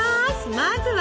まずは？